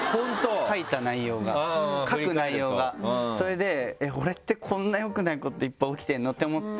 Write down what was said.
それで俺ってこんな良くないこといっぱい起きてるの？って思って。